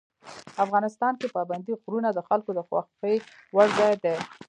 افغانستان کې پابندی غرونه د خلکو د خوښې وړ ځای دی.